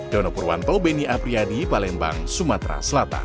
dono purwanto beni apriyadi palembang sumatera selatan